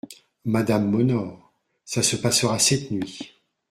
Madame m’honore… ça se passera cette nuit…